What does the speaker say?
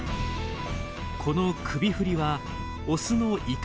この首振りはオスの威嚇行動。